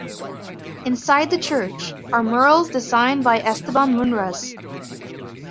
Inside the church are murals designed by Esteban Munras.